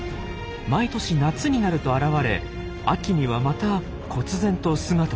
毎年夏になると現れ秋にはまたこつ然と姿を消すんですよ。